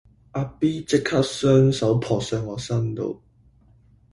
阿 B 即刻雙手撲上我身度